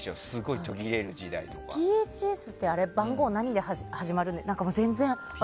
ＰＨＳって番号は何で始まる。